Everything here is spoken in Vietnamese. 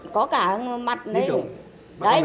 có cả mặt đấy